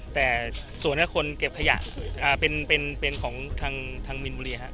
แต่ส่วนคนเก็บขยะเป็นของทางมีนบุรีครับ